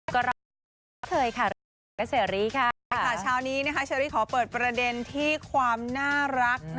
ก็รอเทยค่ะแล้วก็เชอรี่ค่ะค่ะชาวนี้นะคะเชอรี่ขอเปิดประเด็นที่ความน่ารักนะค่ะ